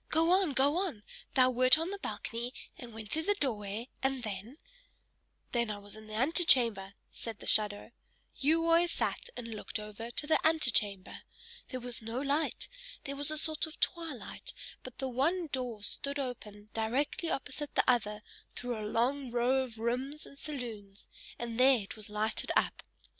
Go on, go on thou wert on the balcony, and went through the doorway, and then " "Then I was in the antechamber," said the shadow. "You always sat and looked over to the antechamber. There was no light; there was a sort of twilight, but the one door stood open directly opposite the other through a long row of rooms and saloons, and there it was lighted up.